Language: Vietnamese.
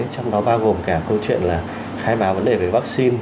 trong đó bao gồm cả câu chuyện là khai báo vấn đề về vaccine